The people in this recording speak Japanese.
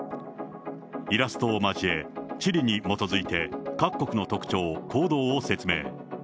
イラストを交え、地理に基づいて各国の特徴、行動を説明。